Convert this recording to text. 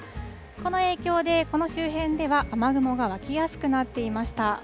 この影響で、この周辺では雨雲が湧きやすくなっていました。